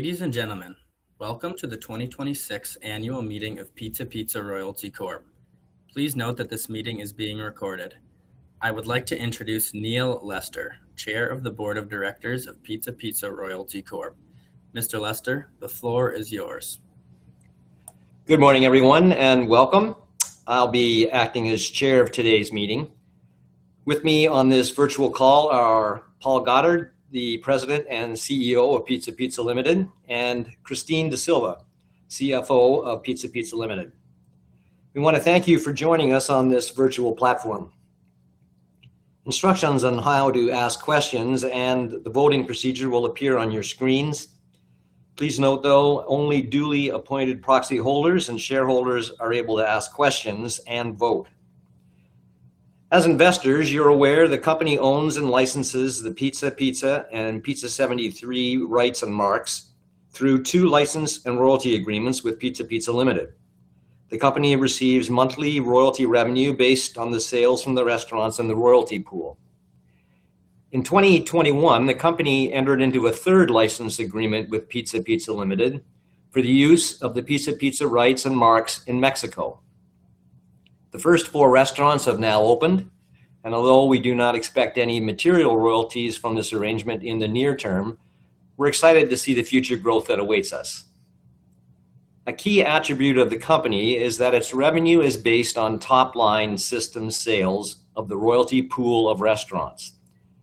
Ladies and gentlemen, welcome to the 2026 annual meeting of Pizza Pizza Royalty Corp. Please note that this meeting is being recorded. I would like to introduce Neil Lester, Chair of the Board of Directors of Pizza Pizza Royalty Corp. Mr. Lester, the floor is yours. Good morning, everyone, and welcome. I'll be acting as Chair of today's meeting. With me on this virtual call are Paul Goddard, the President and CEO of Pizza Pizza Limited, and Christine D'Sylva, CFO of Pizza Pizza Limited. We want to thank you for joining us on this virtual platform. Instructions on how to ask questions and the voting procedure will appear on your screens. Please note, though, only duly appointed proxy holders and shareholders are able to ask questions and vote. As investors, you're aware the company owns and licenses the Pizza Pizza and Pizza 73 rights and marks through two license and royalty agreements with Pizza Pizza Limited. The company receives monthly royalty revenue based on the sales from the restaurants and the royalty pool. In 2021, the company entered into a third license agreement with Pizza Pizza Limited for the use of the Pizza Pizza rights and marks in Mexico. The first four restaurants have now opened, and although we do not expect any material royalties from this arrangement in the near term, we're excited to see the future growth that awaits us. A key attribute of the company is that its revenue is based on top-line system sales of the royalty pool of restaurants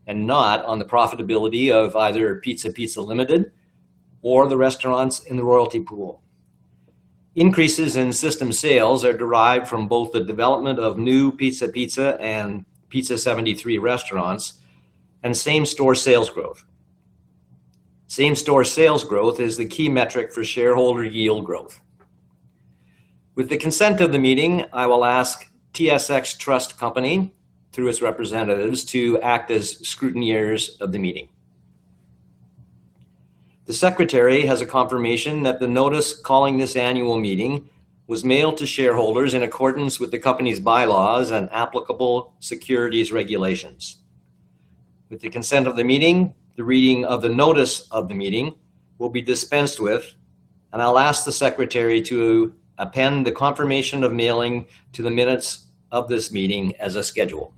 and not on the profitability of either Pizza Pizza Limited or the restaurants in the royalty pool. Increases in system sales are derived from both the development of new Pizza Pizza and Pizza 73 restaurants and same-store sales growth. Same-store sales growth is the key metric for shareholder yield growth. With the consent of the meeting, I will ask TSX Trust Company, through its representatives, to act as scrutineers of the meeting. The secretary has a confirmation that the notice calling this annual meeting was mailed to shareholders in accordance with the company's bylaws and applicable securities regulations. With the consent of the meeting, the reading of the notice of the meeting will be dispensed with, and I'll ask the secretary to append the confirmation of mailing to the minutes of this meeting as a schedule.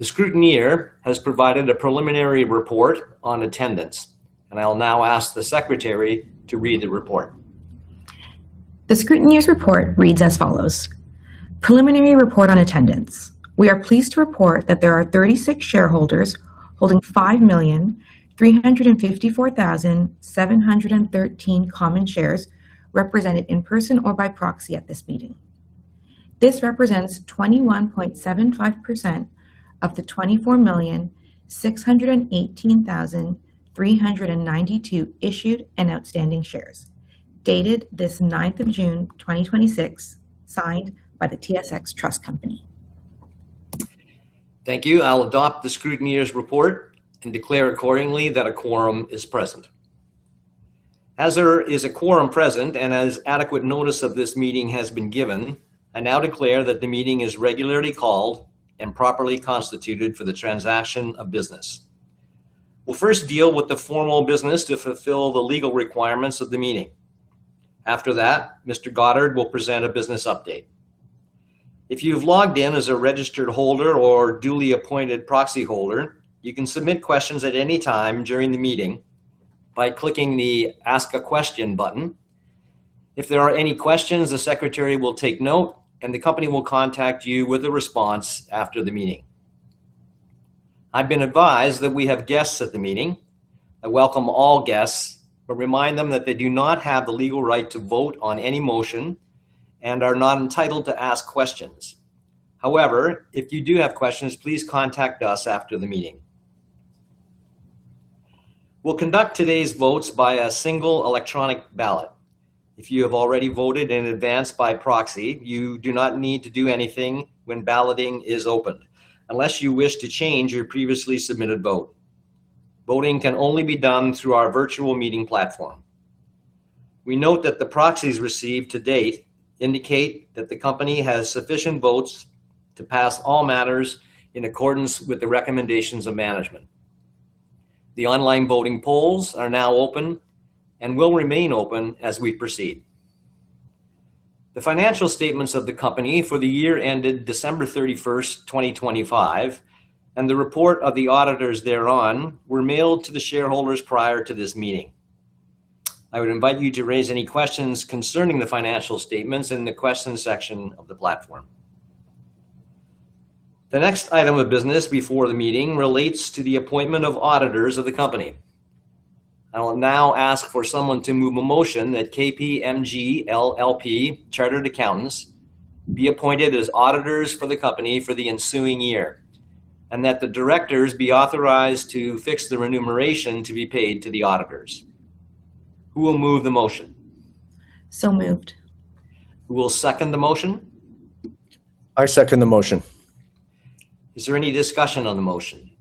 The scrutineer has provided a preliminary report on attendance, and I'll now ask the secretary to read the report. The scrutineer's report reads as follows. Preliminary report on attendance. We are pleased to report that there are 36 shareholders holding 5,354,713 common shares represented in person or by proxy at this meeting. This represents 21.75% of the 24,618,392 issued and outstanding shares. Dated this 9th of June 2026, signed by the TSX Trust Company. Thank you. I'll adopt the scrutineer's report and declare accordingly that a quorum is present. As there is a quorum present and as adequate notice of this meeting has been given, I now declare that the meeting is regularly called and properly constituted for the transaction of business. We'll first deal with the formal business to fulfill the legal requirements of the meeting. After that, Mr. Goddard will present a business update. If you've logged in as a registered holder or duly appointed proxy holder, you can submit questions at any time during the meeting by clicking the Ask a Question button. If there are any questions, the secretary will take note, and the company will contact you with a response after the meeting. I've been advised that we have guests at the meeting. I welcome all guests but remind them that they do not have the legal right to vote on any motion and are not entitled to ask questions. However, if you do have questions, please contact us after the meeting. We'll conduct today's votes by a single electronic ballot. If you have already voted in advance by proxy, you do not need to do anything when balloting is open, unless you wish to change your previously submitted vote. Voting can only be done through our virtual meeting platform. We note that the proxies received to date indicate that the company has sufficient votes to pass all matters in accordance with the recommendations of management. The online voting polls are now open and will remain open as we proceed. The financial statements of the company for the year ended December 31st, 2025, and the report of the auditors thereon were mailed to the shareholders prior to this meeting. I would invite you to raise any questions concerning the financial statements in the questions section of the platform. The next item of business before the meeting relates to the appointment of auditors of the company. I will now ask for someone to move a motion that KPMG LLP Chartered Accountants be appointed as auditors for the company for the ensuing year, and that the directors be authorized to fix the remuneration to be paid to the auditors. Who will move the motion? moved. Who will second the motion? I second the motion. Is there any discussion on the motion?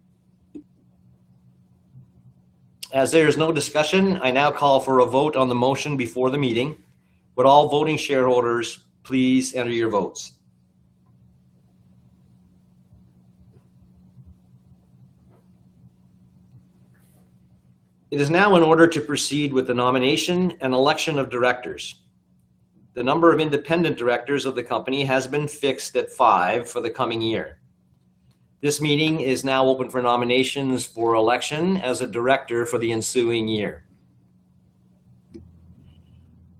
There is no discussion, I now call for a vote on the motion before the meeting. Would all voting shareholders please enter your votes? It is now in order to proceed with the nomination and election of directors. The number of independent directors of the company has been fixed at five for the coming year. This meeting is now open for nominations for election as a director for the ensuing year.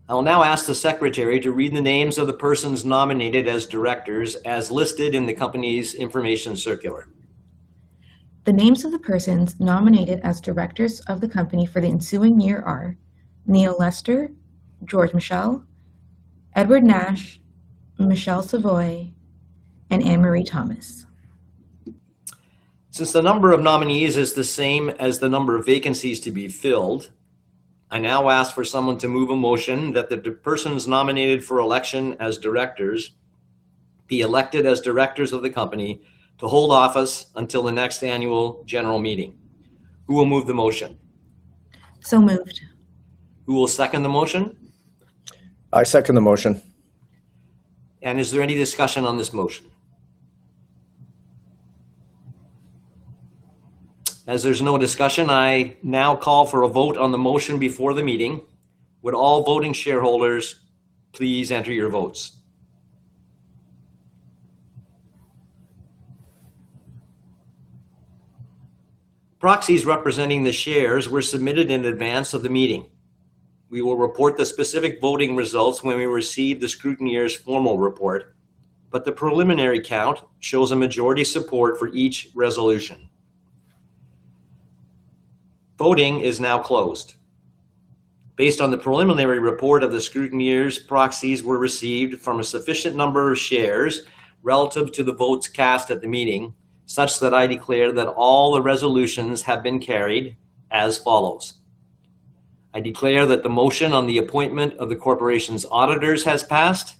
I will now ask the secretary to read the names of the persons nominated as directors as listed in the company's information circular. The names of the persons nominated as directors of the company for the ensuing year are Neil Lester, George Michel, Edward Nash, Michelle Savoy, and Anne-Marie Thomas. Since the number of nominees is the same as the number of vacancies to be filled, I now ask for someone to move a motion that the persons nominated for election as directors be elected as directors of the company to hold office until the next annual general meeting. Who will move the motion? Moved. Who will second the motion? I second the motion. Is there any discussion on this motion? As there's no discussion, I now call for a vote on the motion before the meeting. Would all voting shareholders please enter your votes. Proxies representing the shares were submitted in advance of the meeting. We will report the specific voting results when we receive the scrutineer's formal report, but the preliminary count shows a majority support for each resolution. Voting is now closed. Based on the preliminary report of the scrutineers, proxies were received from a sufficient number of shares relative to the votes cast at the meeting, such that I declare that all the resolutions have been carried as follows. I declare that the motion on the appointment of the corporation's auditors has passed,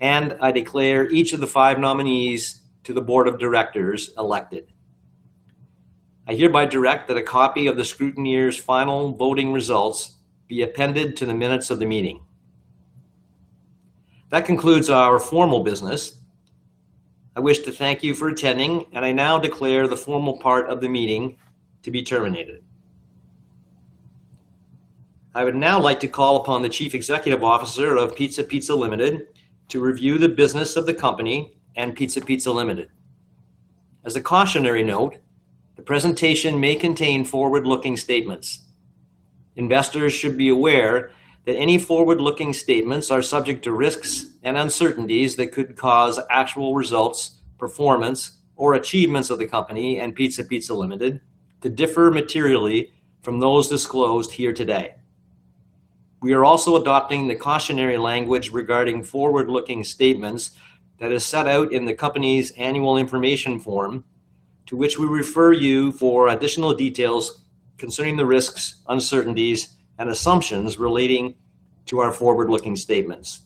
and I declare each of the five nominees to the board of directors elected. I hereby direct that a copy of the scrutineer's final voting results be appended to the minutes of the meeting. That concludes our formal business. I wish to thank you for attending, I now declare the formal part of the meeting to be terminated. I would now like to call upon the Chief Executive Officer of Pizza Pizza Limited to review the business of the company and Pizza Pizza Limited. As a cautionary note, the presentation may contain forward-looking statements. Investors should be aware that any forward-looking statements are subject to risks and uncertainties that could cause actual results, performance, or achievements of the company and Pizza Pizza Limited to differ materially from those disclosed here today. We are also adopting the cautionary language regarding forward-looking statements that is set out in the company's annual information form, to which we refer you for additional details concerning the risks, uncertainties, and assumptions relating to our forward-looking statements.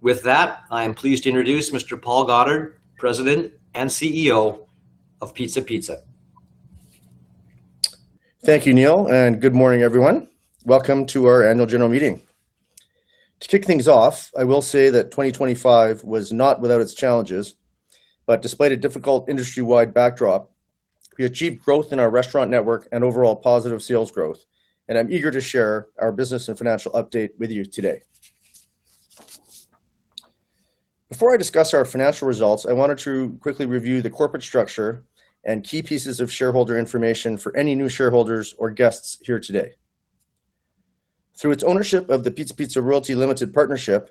With that, I am pleased to introduce Mr. Paul Goddard, President and CEO of Pizza Pizza. Thank you, Neil. Good morning, everyone. Welcome to our annual general meeting. To kick things off, I will say that 2025 was not without its challenges, but despite a difficult industry-wide backdrop, we achieved growth in our restaurant network and overall positive sales growth. I'm eager to share our business and financial update with you today. Before I discuss our financial results, I wanted to quickly review the corporate structure and key pieces of shareholder information for any new shareholders or guests here today. Through its ownership of the Pizza Pizza Royalty Limited Partnership,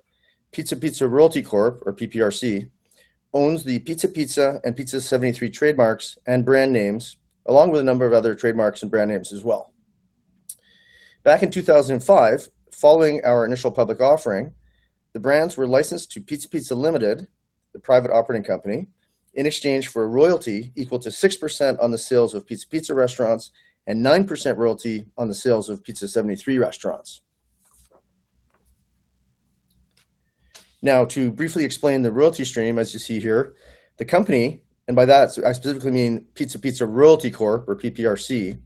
Pizza Pizza Royalty Corp, or PPRC, owns the Pizza Pizza and Pizza 73 trademarks and brand names, along with a number of other trademarks and brand names as well. Back in 2005, following our initial public offering, the brands were licensed to Pizza Pizza Limited, the private operating company, in exchange for a royalty equal to 6% on the sales of Pizza Pizza restaurants and 9% royalty on the sales of Pizza 73 restaurants. To briefly explain the royalty stream, as you see here, the company, and by that, I specifically mean Pizza Pizza Royalty Corp, or PPRC,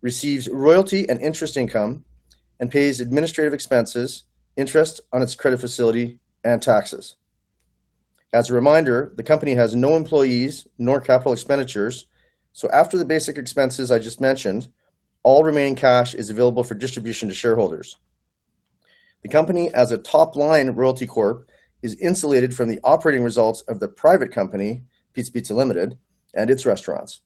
receives royalty and interest income and pays administrative expenses, interest on its credit facility, and taxes. As a reminder, the company has no employees nor capital expenditures, so after the basic expenses I just mentioned, all remaining cash is available for distribution to shareholders. The company as a top-line royalty corp is insulated from the operating results of the private company, Pizza Pizza Limited, and its restaurants.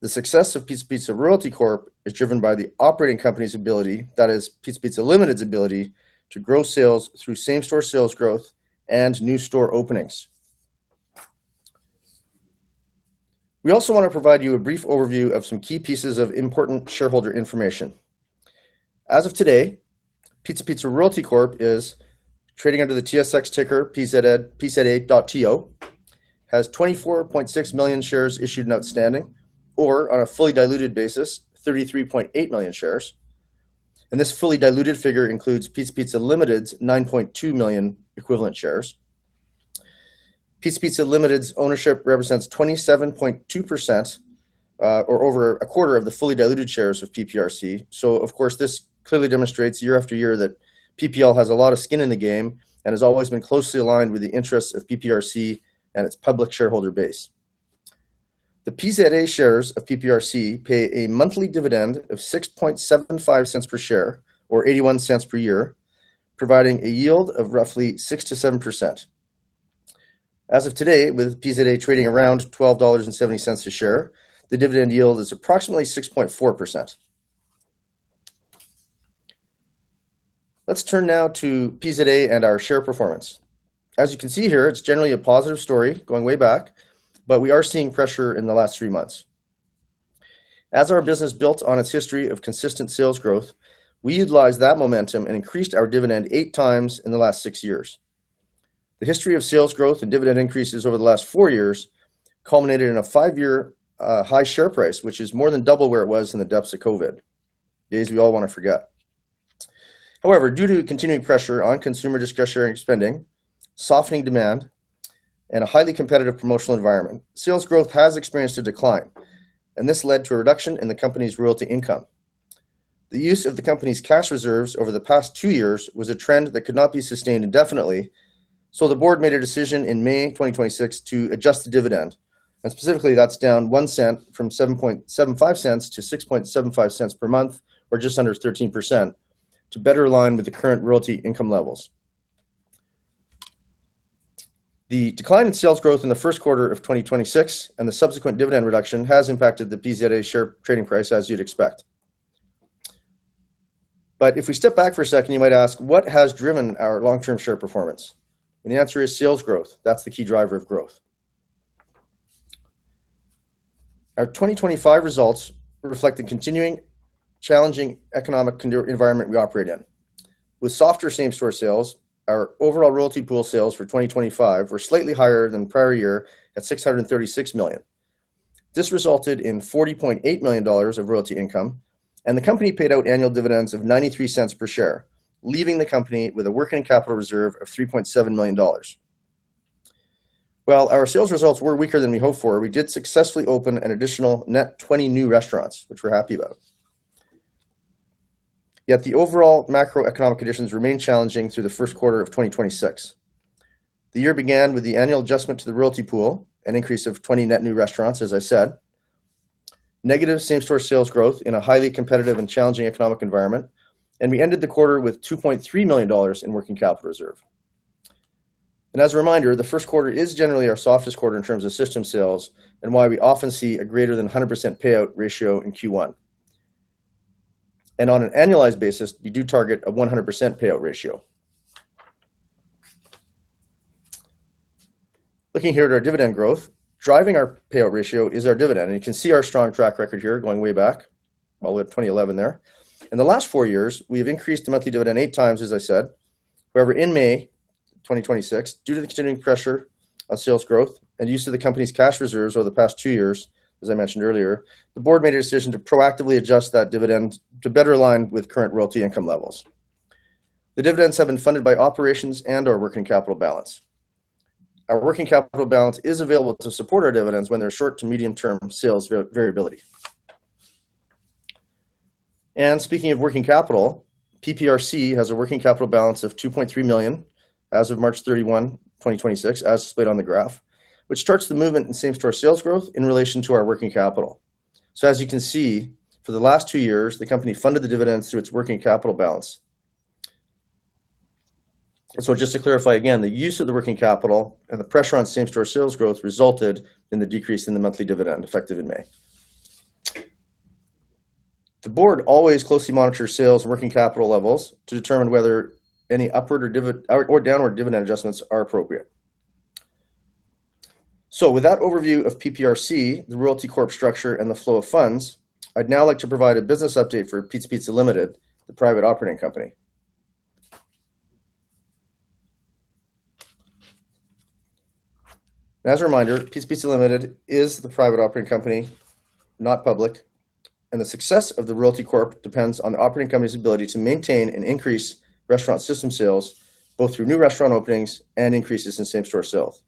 The success of Pizza Pizza Royalty Corp is driven by the operating company's ability, that is Pizza Pizza Limited's ability, to grow sales through same-store sales growth and new store openings. We also want to provide you a brief overview of some key pieces of important shareholder information. As of today, Pizza Pizza Royalty Corp is trading under the TSX ticker PZA.TO, has 24.6 million shares issued and outstanding, or on a fully diluted basis, 33.8 million shares. This fully diluted figure includes Pizza Pizza Limited's 9.2 million equivalent shares. Pizza Pizza Limited's ownership represents 27.2% or over a quarter of the fully diluted shares of PPRC. Of course, this clearly demonstrates year after year that PPL has a lot of skin in the game and has always been closely aligned with the interests of PPRC and its public shareholder base. The PZA shares of PPRC pay a monthly dividend of 0.0675 per share or 0.81 per year, providing a yield of roughly 6%-7%. As of today, with PZA trading around 12.70 dollars a share, the dividend yield is approximately 6.4%. Let's turn now to PZA and our share performance. As you can see here, it's generally a positive story going way back, but we are seeing pressure in the last three months. As our business built on its history of consistent sales growth, we utilized that momentum and increased our dividend eight times in the last six years. The history of sales growth and dividend increases over the last four years culminated in a five-year high share price, which is more than double where it was in the depths of COVID. Days we all want to forget. However, due to continuing pressure on consumer discretionary spending, softening demand, a highly competitive promotional environment, sales growth has experienced a decline, and this led to a reduction in the company's royalty income. The use of the company's cash reserves over the past two years was a trend that could not be sustained indefinitely, the board made a decision in May 2026 to adjust the dividend. Specifically, that's down 0.01 from 0.0775 to 0.0675 per month or just under 13%, to better align with the current royalty income levels. The decline in sales growth in the first quarter of 2026 and the subsequent dividend reduction has impacted the PZA share trading price as you'd expect. If we step back for a second, you might ask, what has driven our long-term share performance? The answer is sales growth. That's the key driver of growth. Our 2025 results reflect the continuing challenging economic environment we operate in. With softer same-store sales, our overall royalty pool sales for 2025 were slightly higher than prior year at 636 million. This resulted in $40.8 million of royalty income, the company paid out annual dividends of $0.93 per share, leaving the company with a working capital reserve of $3.7 million. While our sales results were weaker than we hoped for, we did successfully open an additional net 20 new restaurants, which we're happy about. Yet the overall macroeconomic conditions remain challenging through the first quarter of 2026. The year began with the annual adjustment to the royalty pool, an increase of 20 net new restaurants, as I said. Negative same-store sales growth in a highly competitive and challenging economic environment, we ended the quarter with $2.3 million in working capital reserve. As a reminder, the first quarter is generally our softest quarter in terms of system sales and why we often see a greater than 100% payout ratio in Q1. On an annualized basis, we do target a 100% payout ratio. Looking here at our dividend growth, driving our payout ratio is our dividend, you can see our strong track record here going way back all the way up to 2011 there. In the last four years, we have increased the monthly dividend eight times, as I said. However, in May 2026, due to the continuing pressure on sales growth and use of the company's cash reserves over the past two years, as I mentioned earlier, the board made a decision to proactively adjust that dividend to better align with current royalty income levels. The dividends have been funded by operations and our working capital balance. Our working capital balance is available to support our dividends when there's short to medium-term sales variability. Speaking of working capital, PPRC has a working capital balance of 2.3 million as of March 31, 2026, as displayed on the graph, which charts the movement in same-store sales growth in relation to our working capital. As you can see, for the last two years, the company funded the dividends through its working capital balance. The use of the working capital and the pressure on same-store sales growth resulted in the decrease in the monthly dividend effective in May. The board always closely monitors sales working capital levels to determine whether any upward or downward dividend adjustments are appropriate. With that overview of PPRC, the royalty corp structure, and the flow of funds, I'd now like to provide a business update for Pizza Pizza Limited, the private operating company. As a reminder, Pizza Pizza Limited is the private operating company, not public, and the success of the royalty corp depends on the operating company's ability to maintain and increase restaurant system sales, both through new restaurant openings and increases in same-store sales.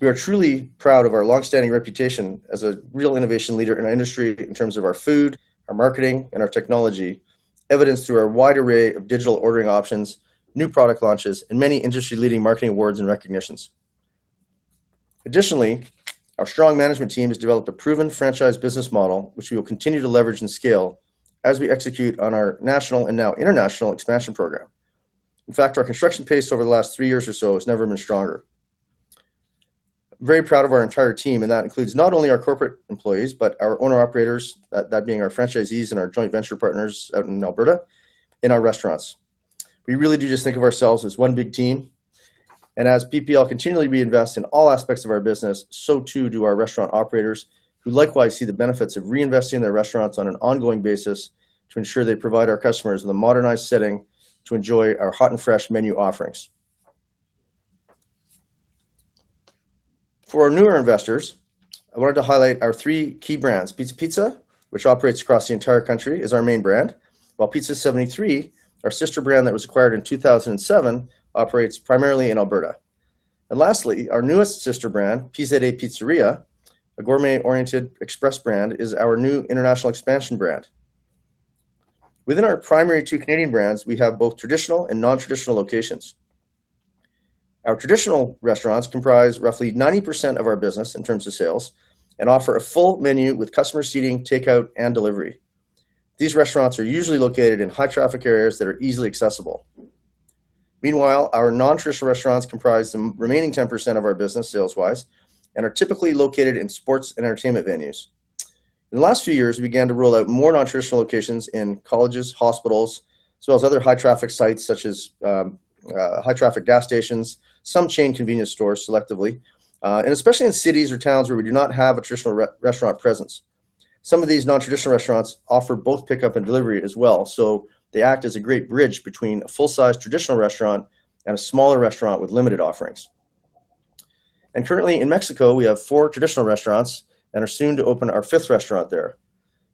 We are truly proud of our long-standing reputation as a real innovation leader in our industry in terms of our food, our marketing, and our technology, evidenced through our wide array of digital ordering options, new product launches, and many industry-leading marketing awards and recognitions. Additionally, our strong management team has developed a proven franchise business model, which we will continue to leverage and scale as we execute on our national and now international expansion program. In fact, our construction pace over the last three years or so has never been stronger. Very proud of our entire team, and that includes not only our corporate employees, but our owner-operators, that being our franchisees and our joint venture partners out in Alberta, and our restaurants. We really do just think of ourselves as one big team. As PPL continually reinvests in all aspects of our business, so too do our restaurant operators, who likewise see the benefits of reinvesting in their restaurants on an ongoing basis to ensure they provide our customers with a modernized setting to enjoy our hot and fresh menu offerings. For our newer investors, I wanted to highlight our three key brands. Pizza Pizza, which operates across the entire country, is our main brand, while Pizza 73, our sister brand that was acquired in 2007, operates primarily in Alberta. Lastly, our newest sister brand, PZA Pizzeria, a gourmet-oriented express brand, is our new international expansion brand. Within our primary two Canadian brands, we have both traditional and non-traditional locations. Our traditional restaurants comprise roughly 90% of our business in terms of sales and offer a full menu with customer seating, takeout, and delivery. These restaurants are usually located in high-traffic areas that are easily accessible. Meanwhile, our non-traditional restaurants comprise the remaining 10% of our business sales-wise and are typically located in sports entertainment venues. In the last few years, we began to roll out more non-traditional locations in colleges, hospitals, as well as other high-traffic sites such as high-traffic gas stations, some chain convenience stores selectively, and especially in cities or towns where we do not have a traditional restaurant presence. Some of these non-traditional restaurants offer both pickup and delivery as well, so they act as a great bridge between a full-size traditional restaurant and a smaller restaurant with limited offerings. Currently in Mexico, we have four traditional restaurants and are soon to open our fifth restaurant there.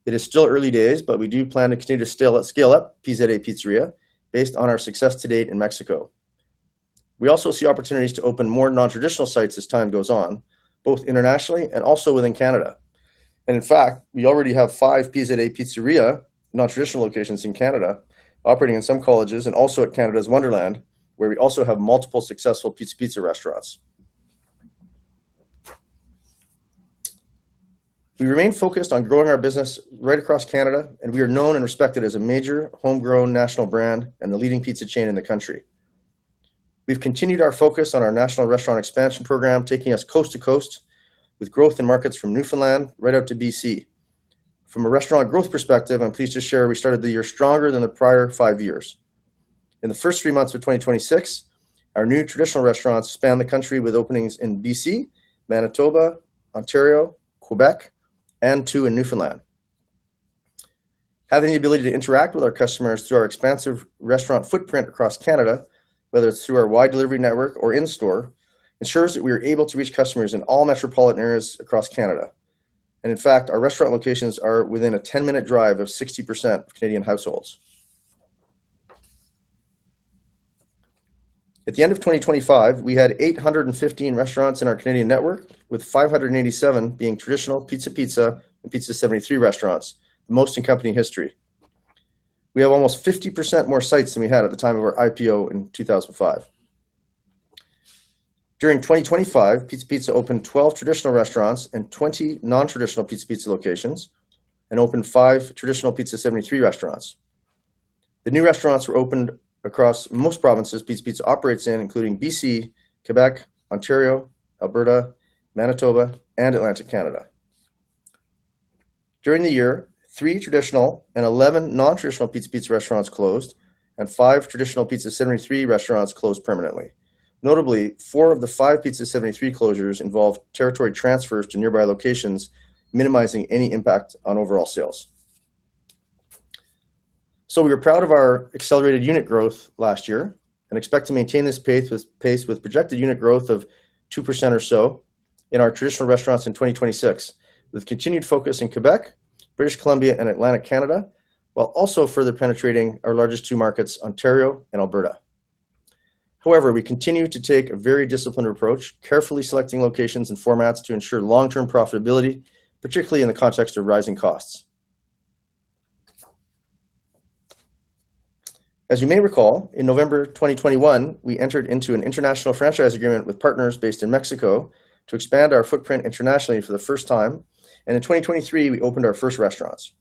It is still early days, but we do plan to continue to scale up PZA Pizzeria based on our success to date in Mexico. We also see opportunities to open more non-traditional sites as time goes on, both internationally and also within Canada. In fact, we already have five PZA Pizzeria non-traditional locations in Canada operating in some colleges and also at Canada's Wonderland, where we also have multiple successful Pizza Pizza restaurants. We remain focused on growing our business right across Canada, and we are known and respected as a major homegrown national brand and the leading pizza chain in the country. We've continued our focus on our national restaurant expansion program, taking us coast to coast with growth in markets from Newfoundland right out to B.C. From a restaurant growth perspective, I'm pleased to share we started the year stronger than the prior five years. In the first three months of 2026, our new traditional restaurants spanned the country with openings in B.C., Manitoba, Ontario, Quebec, and two in Newfoundland. Having the ability to interact with our customers through our expansive restaurant footprint across Canada, whether it's through our wide delivery network or in-store, ensures that we are able to reach customers in all metropolitan areas across Canada. In fact, our restaurant locations are within a 10-minute drive of 60% of Canadian households. At the end of 2025, we had 815 restaurants in our Canadian network, with 587 being traditional Pizza Pizza and Pizza 73 restaurants, the most in company history. We have almost 50% more sites than we had at the time of our IPO in 2005. During 2025, Pizza Pizza opened 12 traditional restaurants and 20 non-traditional Pizza Pizza locations and opened five traditional Pizza 73 restaurants. The new restaurants were opened across most provinces Pizza Pizza operates in, including B.C., Quebec, Ontario, Alberta, Manitoba, and Atlantic Canada. During the year, three traditional and 11 non-traditional Pizza Pizza restaurants closed, and five traditional Pizza 73 restaurants closed permanently. Notably, four of the five Pizza 73 closures involved territory transfers to nearby locations, minimizing any impact on overall sales. We are proud of our accelerated unit growth last year and expect to maintain this pace with projected unit growth of 2% or so in our traditional restaurants in 2026, with continued focus in Quebec, British Columbia, and Atlantic Canada, while also further penetrating our largest two markets, Ontario and Alberta. However, we continue to take a very disciplined approach, carefully selecting locations and formats to ensure long-term profitability, particularly in the context of rising costs. As you may recall, in November 2021, we entered into an international franchise agreement with partners based in Mexico to expand our footprint internationally for the first time. In 2023, we opened our first restaurants.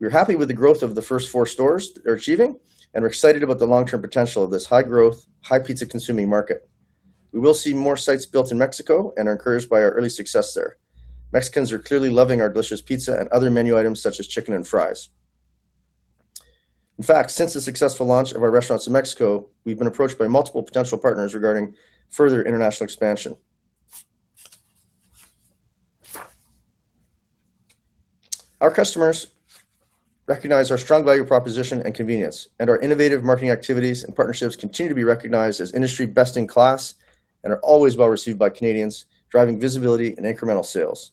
We are happy with the growth of the first four stores they're achieving, and we're excited about the long-term potential of this high-growth, high pizza-consuming market. We will see more sites built in Mexico and are encouraged by our early success there. Mexicans are clearly loving our delicious pizza and other menu items such as chicken and fries. In fact, since the successful launch of our restaurants in Mexico, we've been approached by multiple potential partners regarding further international expansion. Our customers recognize our strong value proposition and convenience, and our innovative marketing activities and partnerships continue to be recognized as industry best in class and are always well-received by Canadians, driving visibility and incremental sales.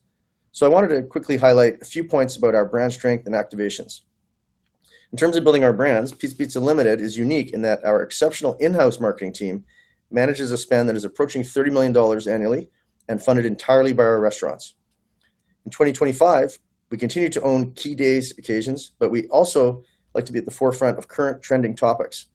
I wanted to quickly highlight a few points about our brand strength and activations. In terms of building our brands, Pizza Pizza Limited is unique in that our exceptional in-house marketing team manages a spend that is approaching $30 million annually and funded entirely by our restaurants. In 2025, we continued to own key days, occasions. We also like to be at the forefront of current trending topics.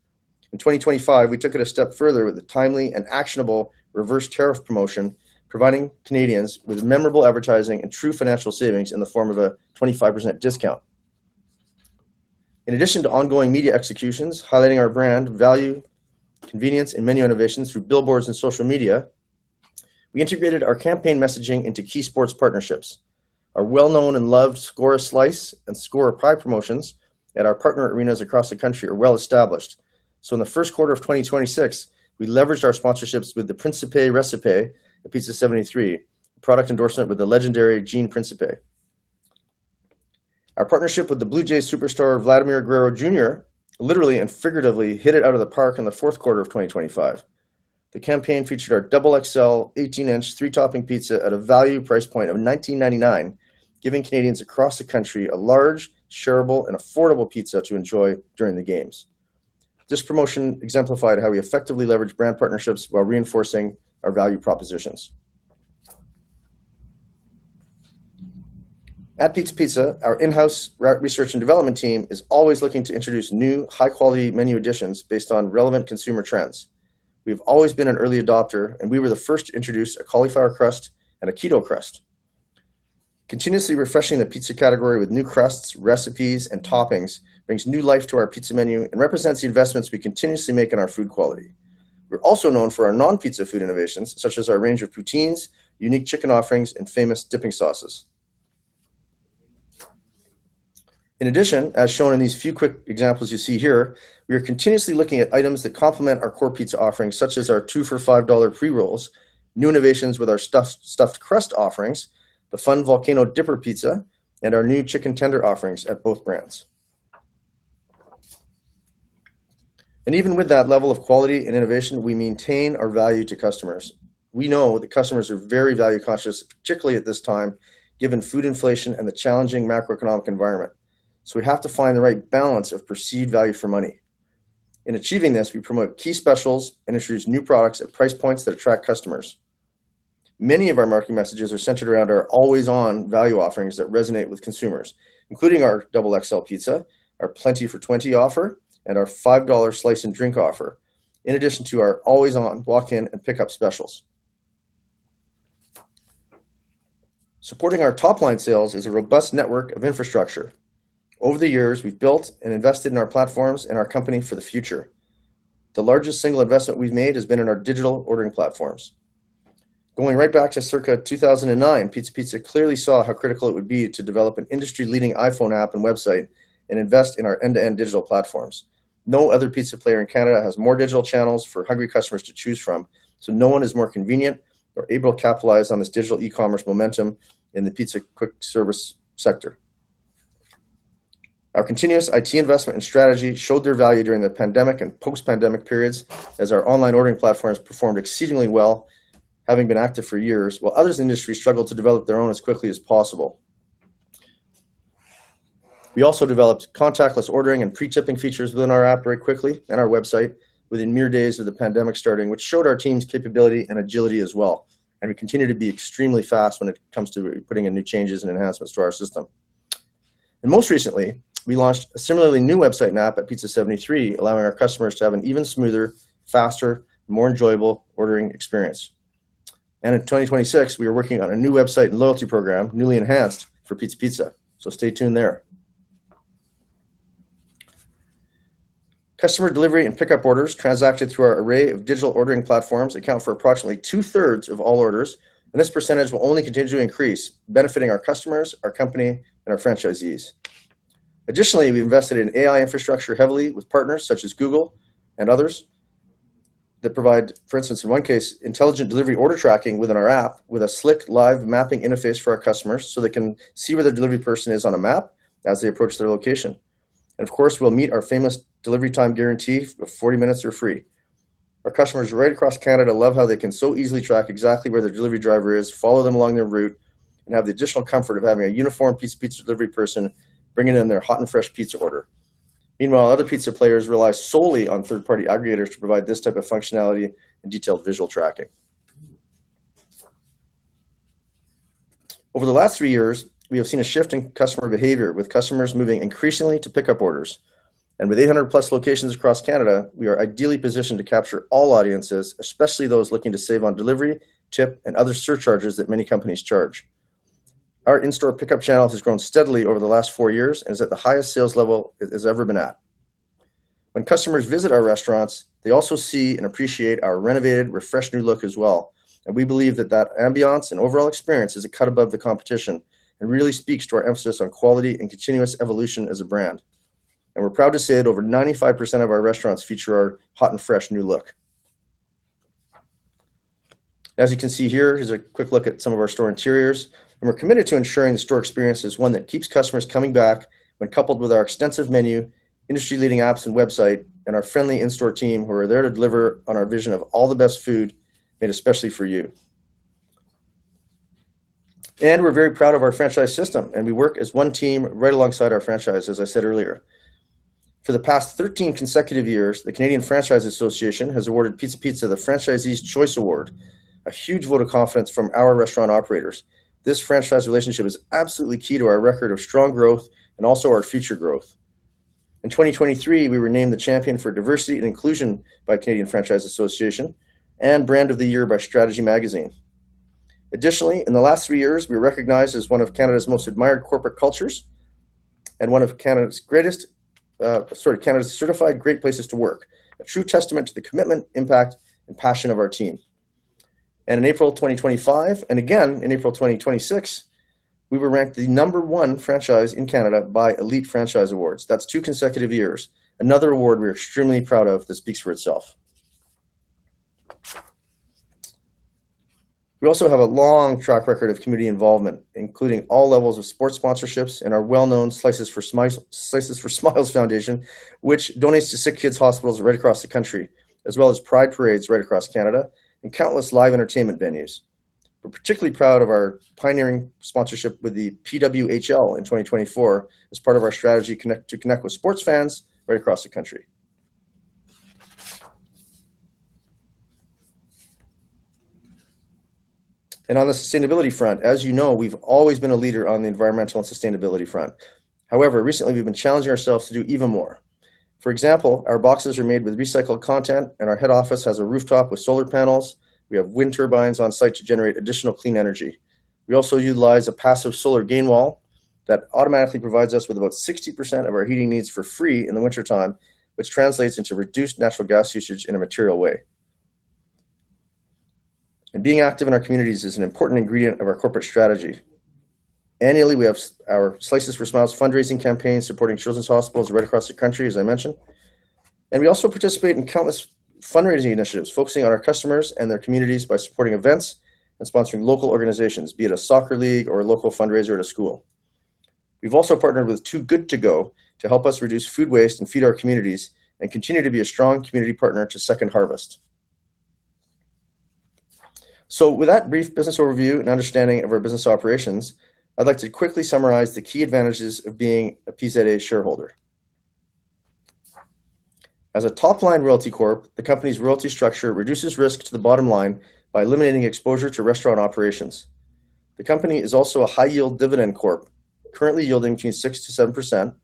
We took it a step further with a timely and actionable reverse tariff promotion, providing Canadians with memorable advertising and true financial savings in the form of a 25% discount. In addition to ongoing media executions highlighting our brand, value, convenience, and menu innovations through billboards and social media, we integrated our campaign messaging into key sports partnerships. Our well-known and loved Score a Slice and Score a Pie promotions at our partner arenas across the country are well established. In the first quarter of 2026, we leveraged our sponsorships with the Principe Recipe at Pizza 73, product endorsement with the legendary Gene Principe. Our partnership with the Blue Jays superstar Vladimir Guerrero Jr. literally and figuratively hit it out of the park in the fourth quarter of 2025. The campaign featured our double XL 18-inch three-topping pizza at a value price point of 19.99, giving Canadians across the country a large, shareable and affordable pizza to enjoy during the games. This promotion exemplified how we effectively leverage brand partnerships while reinforcing our value propositions. At Pizza Pizza, our in-house research and development team is always looking to introduce new, high-quality menu additions based on relevant consumer trends. We have always been an early adopter, and we were the first to introduce a Cauliflower Crust and a Keto Crust. Continuously refreshing the pizza category with new crusts, recipes, and toppings brings new life to our pizza menu and represents the investments we continuously make in our food quality. We are also known for our non-pizza food innovations, such as our range of poutines, unique chicken offerings, and famous dipping sauces. In addition, as shown in these few quick examples you see here, we are continuously looking at items that complement our core pizza offerings, such as our 2 for $5 Pre-Rolls, new innovations with our Stuffed Crust offerings, the fun Volcano Dipper Pizza, and our new chicken tender offerings at both brands. Even with that level of quality and innovation, we maintain our value to customers. We know that customers are very value-conscious, particularly at this time, given food inflation and the challenging macroeconomic environment. We have to find the right balance of perceived value for money. In achieving this, we promote key specials and introduce new products at price points that attract customers. Many of our marketing messages are centered around our always-on value offerings that resonate with consumers, including our double XL pizza, our Plenty for $20 offer, and our$5 slice and drink offer, in addition to our always-on walk-in and pickup specials. Supporting our top-line sales is a robust network of infrastructure. Over the years, we have built and invested in our platforms and our company for the future. The largest single investment we have made has been in our digital ordering platforms. Going right back to circa 2009, Pizza Pizza clearly saw how critical it would be to develop an industry-leading iPhone app and website and invest in our end-to-end digital platforms. No other pizza player in Canada has more digital channels for hungry customers to choose from, so no one is more convenient or able to capitalize on this digital e-commerce momentum in the pizza quick service sector. Our continuous IT investment and strategy showed their value during the pandemic and post-pandemic periods as our online ordering platforms performed exceedingly well, having been active for years, while others in the industry struggled to develop their own as quickly as possible. We also developed contactless ordering and pre-tipping features within our app very quickly, our website, within mere days of the pandemic starting, which showed our team's capability and agility as well, and we continue to be extremely fast when it comes to putting in new changes and enhancements to our system. Most recently, we launched a similarly new website and app at Pizza 73, allowing our customers to have an even smoother, faster, more enjoyable ordering experience. In 2026, we are working on a new website and loyalty program, newly enhanced for Pizza Pizza. Stay tuned there. Customer delivery and pickup orders transacted through our array of digital ordering platforms account for approximately two-thirds of all orders, and this percentage will only continue to increase, benefiting our customers, our company, and our franchisees. Additionally, we invested in AI infrastructure heavily with partners such as Google and others that provide, for instance, in one case, intelligent delivery order tracking within our app with a slick live mapping interface for our customers so they can see where their delivery person is on a map as they approach their location. Of course, we'll meet our famous delivery time guarantee of 40 minutes or free. Our customers right across Canada love how they can so easily track exactly where their delivery driver is, follow them along their route, and have the additional comfort of having a uniformed Pizza Pizza delivery person bringing in their hot and fresh pizza order. Meanwhile, other pizza players rely solely on third-party aggregators to provide this type of functionality and detailed visual tracking. Over the last three years, we have seen a shift in customer behavior, with customers moving increasingly to pick-up orders. With 800-plus locations across Canada, we are ideally positioned to capture all audiences, especially those looking to save on delivery, tip, and other surcharges that many companies charge. Our in-store pickup channel has grown steadily over the last four years and is at the highest sales level it has ever been at. When customers visit our restaurants, they also see and appreciate our renovated, refreshed new look as well, and we believe that that ambiance and overall experience is a cut above the competition and really speaks to our emphasis on quality and continuous evolution as a brand. We're proud to say that over 95% of our restaurants feature our hot and fresh new look. As you can see here's a quick look at some of our store interiors, we're committed to ensuring the store experience is one that keeps customers coming back when coupled with our extensive menu, industry-leading apps and website, and our friendly in-store team who are there to deliver on our vision of all the best food made especially for you. We're very proud of our franchise system, and we work as one team right alongside our franchise, as I said earlier. For the past 13 consecutive years, the Canadian Franchise Association has awarded Pizza Pizza the Franchisees' Choice Designation, a huge vote of confidence from our restaurant operators. This franchise relationship is absolutely key to our record of strong growth and also our future growth. In 2023, we were named the Champion for Diversity and Inclusion by the Canadian Franchise Association and Brand of the Year by Strategy Magazine. In the last three years, we were recognized as one of Canada's most admired corporate cultures and one of Canada's certified great places to work, a true testament to the commitment, impact, and passion of our team. In April 2025, and again in April 2026, we were ranked the number one franchise in Canada by Elite Franchise Awards. That's two consecutive years. Another award we're extremely proud of that speaks for itself. We also have a long track record of community involvement, including all levels of sports sponsorships and our well-known Slices for Smiles foundation, which donates to children's hospitals right across the country, as well as Pride parades right across Canada, and countless live entertainment venues. We're particularly proud of our pioneering sponsorship with the PWHL in 2024 as part of our strategy to connect with sports fans right across the country. On the sustainability front, as you know, we've always been a leader on the environmental and sustainability front. However, recently we've been challenging ourselves to do even more. For example, our boxes are made with recycled content, and our head office has a rooftop with solar panels. We have wind turbines on site to generate additional clean energy. We also utilize a passive solar gain wall that automatically provides us with about 60% of our heating needs for free in the wintertime, which translates into reduced natural gas usage in a material way. Being active in our communities is an important ingredient of our corporate strategy. Annually, we have our Slices for Smiles fundraising campaign supporting children's hospitals right across the country, as I mentioned. We also participate in countless fundraising initiatives focusing on our customers and their communities by supporting events and sponsoring local organizations, be it a soccer league or a local fundraiser at a school. We've also partnered with Too Good To Go to help us reduce food waste and feed our communities and continue to be a strong community partner to Second Harvest. With that brief business overview and understanding of our business operations, I'd like to quickly summarize the key advantages of being a PZA shareholder. As a top-line Royalty Corp, the company's royalty structure reduces risk to the bottom line by eliminating exposure to restaurant operations. The company is also a high-yield dividend Corp., currently yielding between 6%-7%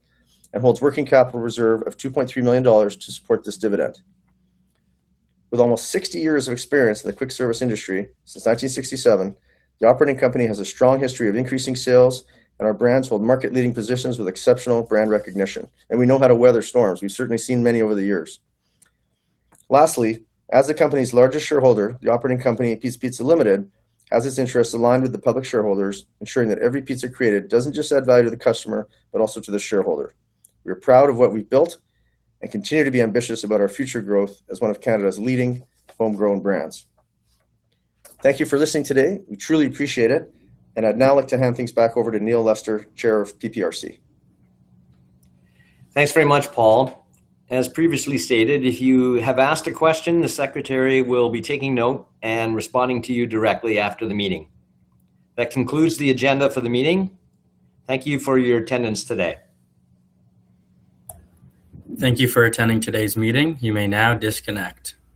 and holds working capital reserve of $2.3 million to support this dividend. With almost 60 years of experience in the quick-service industry since 1967, the operating company has a strong history of increasing sales, and our brands hold market-leading positions with exceptional brand recognition, and we know how to weather storms. We've certainly seen many over the years. Lastly, as the company's largest shareholder, the operating company, Pizza Pizza Limited, has its interests aligned with the public shareholders, ensuring that every pizza created doesn't just add value to the customer but also to the shareholder. We are proud of what we've built and continue to be ambitious about our future growth as one of Canada's leading homegrown brands. Thank you for listening today. We truly appreciate it. I'd now like to hand things back over to Neil Lester, Chair of PPRC. Thanks very much, Paul. As previously stated, if you have asked a question, the secretary will be taking note and responding to you directly after the meeting. That concludes the agenda for the meeting. Thank you for your attendance today. Thank you for attending today's meeting. You may now disconnect.